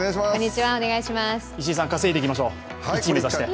石井さん、稼いでいきましょう、１位目指して。